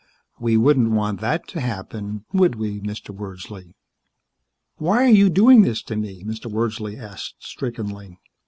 We wouldn't want that to happen, would we, Mr. Wordsley?" "Why are you doing this to me?" Mr. Wordsley asked strickenly.